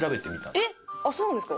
あっそうなんですか？